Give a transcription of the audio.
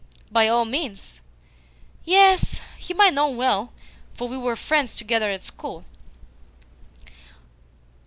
"By all means." "Yes, him I know well, for we were friends together at school."